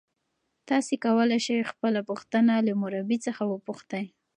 تاسي کولای شئ خپله پوښتنه له مربی څخه وپوښتئ.